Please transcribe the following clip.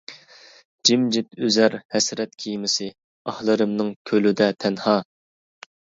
جىمجىت ئۈزەر ھەسرەت كېمىسى، ئاھلىرىمنىڭ كۆلىدە تەنھا.